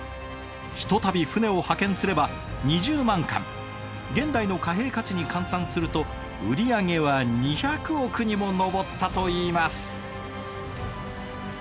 一たび船を派遣すれば２０万貫現代の貨幣価値に換算すると売り上げは２００億にも上ったといいます。